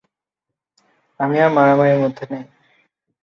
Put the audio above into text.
আমি আর মারামারির মধ্যে নেই।